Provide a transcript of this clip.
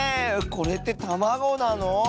これってたまごなの？